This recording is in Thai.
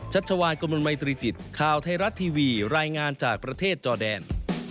ชวานกมลมัยตรีจิตข่าวไทยรัฐทีวีรายงานจากประเทศจอแดน